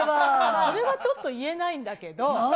それはちょっと言えないんだ